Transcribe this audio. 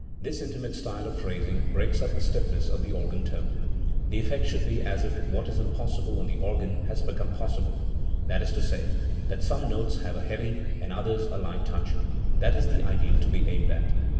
This" intimate style of phrasing breaks up the stiffness of the organ tone. The effect should be as if what is impossible on the organ had become possible, that is to say, that some notes have a heavy and others a light touch. That is the ideal to be aimed at.